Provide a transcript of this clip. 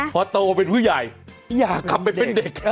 พอโตเป็นผู้ใหญ่อยากกลับไปเป็นเด็ก